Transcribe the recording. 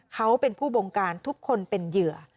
เขาเป็นผู้บงการทุกคนเป็นเหยื่อ